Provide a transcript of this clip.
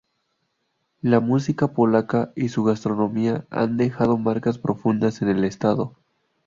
La música polaca y su gastronomía han dejado marcas profundas en el estado.